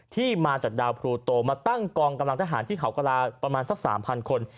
ที่มาจากดาวพลูโตมาตั้งกองกำลังทหารที่เขากระลาประมาณสัก๓๐๐คน